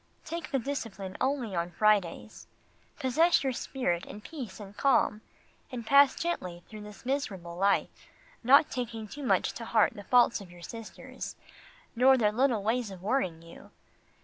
Take the discipline only on Fridays. Possess your spirit in peace and calm, and pass gently through this miserable life, not taking too much to heart the faults of your sisters, nor their little ways of worrying you.